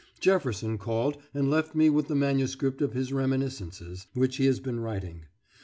Jefferson called and left with me the manuscript of his reminiscences, which he has been writing.